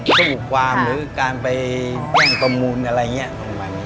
สู้ความหรือคิดจะยั่งกับมูลอะไรอย่างนี้